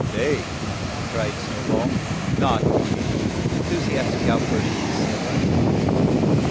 "Tay!" cried Snowball, not heeding the enthusiastic outburst of the sailor.